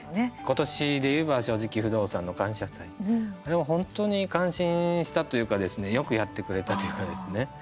今年でいえば「正直不動産」の感謝祭、あれは本当に感心したというかですねよくやってくれたというかですね